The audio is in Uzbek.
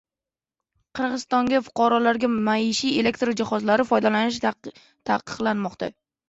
Qirg‘izistonda fuqarolarga maishiy elektr jihozlaridan foydalanish taqiqlanmoqda